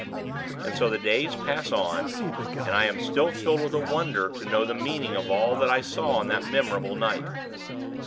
And so the days pass on, and I am still filled with a wonder to know the meaning of all that I saw on that memorable night.